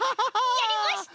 やりました！